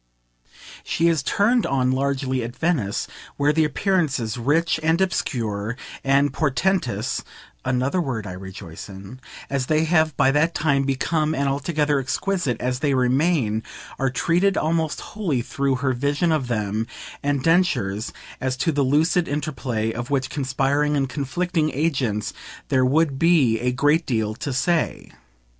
She is turned on largely at Venice, where the appearances, rich and obscure and portentous (another word I rejoice in) as they have by that time become and altogether exquisite as they remain, are treated almost wholly through her vision of them and Densher's (as to the lucid interplay of which conspiring and conflicting agents there would be a great deal to say).